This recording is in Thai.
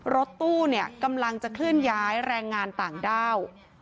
รถตู้กำลังจะขึ้นย้ายแรงงานต่างด้าว